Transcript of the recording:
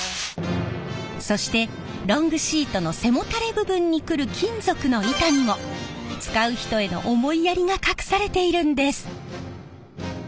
そしてロングシートの背もたれ部分にくる金属の板にも使う人への思いやりが隠されているんです。